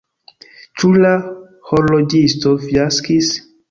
Ĉu la horloĝisto fiaskis?